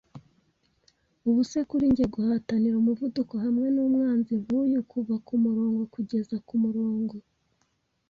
ubuse kuri njye guhatanira umuvuduko hamwe numwanzi nkuyu. Kuva kumurongo kugeza kumurongo